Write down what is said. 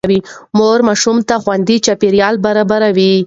مور ماشوم ته خوندي چاپېريال برابروي.